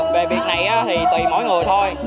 về việc này thì tùy mỗi người thôi